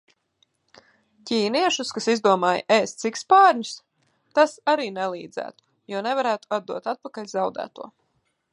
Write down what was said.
Ķīniešus, kas izdomāja ēst sikspārņus? Tas arī nelīdzētu, jo nevarētu atdot atpakaļ zaudēto.